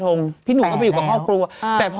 สวัสดีค่ะข้าวใส่ไข่สดใหม่เยอะสวัสดีค่ะ